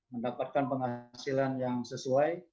mendapatkan penghasilan yang sesuai